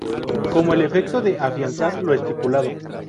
Como el afecto de afianzar lo estipulado.